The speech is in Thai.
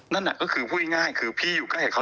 นั่นก็คือพูดง่ายคือพี่อยู่ใกล้กับเขา